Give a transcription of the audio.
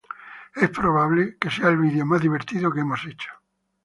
Es probable que sea el video más divertido que hemos hecho.